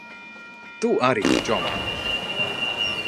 Tu arī, čom.